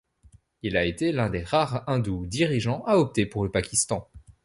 Il a été l'un des rares Hindou dirigeants à opter pour le Pakistan.